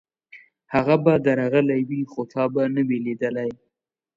هغه به درغلی وي، خو تا به نه وي لېدلی.